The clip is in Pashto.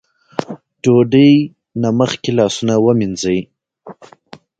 ډوډۍ نه مخکې لاسونه ووينځئ ـ